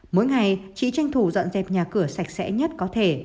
mỗi ngày chị tranh thủ dọn dẹp nhà cửa sạch sẽ nhất có thể